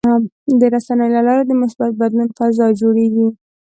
د رسنیو له لارې د مثبت بدلون فضا جوړېږي.